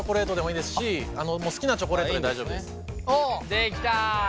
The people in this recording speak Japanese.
できた。